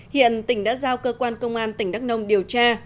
hiện tỉnh đã giao cơ quan công an tỉnh đắk nông điều tra